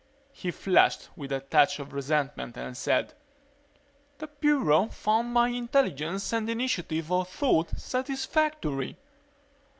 He flushed with a touch of resentment and said, "The Bureau found my intelligence and initiative of thought satisfactory."